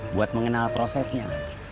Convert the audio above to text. buat mengenal prosesnya